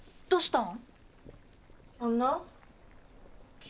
どうしたん？